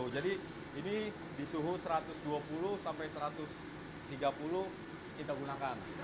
jadi ini di suhu satu ratus dua puluh satu ratus tiga puluh kita gunakan